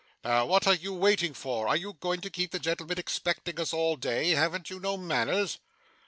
'Now, what are you waiting for? Are you going to keep the gentleman expecting us all day? haven't you no manners?